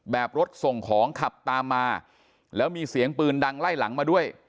แบบรถส่งของขับตามมาแล้วมีเสียงปืนดังไล่หลังมาด้วย